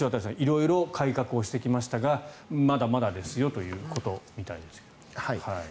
色々改革をしてきましたがまだまだですよということみたいですが。